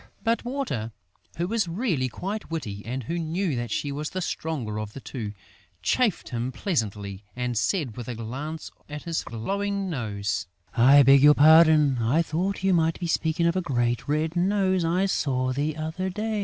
But Water, who was really quite witty and who knew that she was the stronger of the two, chaffed him pleasantly and said, with a glance at his glowing nose: "I beg your pardon?... I thought you might be speaking of a great red nose I saw the other day!..."